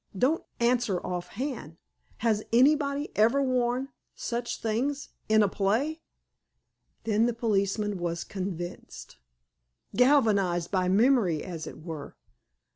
Don't—answer—offhand. Has—anybody—ever worn—such things—in a play?" Then the policeman was convinced, galvanized by memory, as it were.